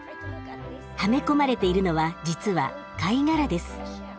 はめ込まれているのは実は貝殻です。